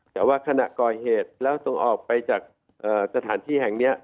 แต่ว่าขณะก่อเหตุแล้วส่งออกไปจากสถานที่แห่งนี้